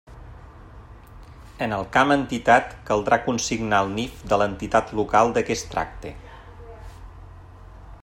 En el camp Entitat caldrà consignar el NIF de l'entitat local de què es tracte.